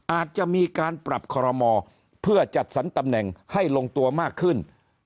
อาจจะมีการปรับคอรมอเพื่อจัดสรรตำแหน่งให้ลงตัวมากขึ้น